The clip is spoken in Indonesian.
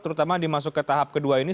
terutama dimasuk ke tahap kedua ini